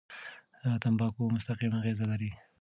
تمباکو مستقیم اغېز لري.